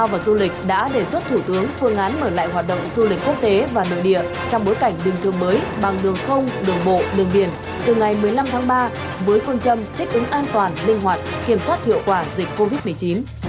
với phương châm thích ứng an toàn linh hoạt kiểm soát hiệu quả dịch covid một mươi chín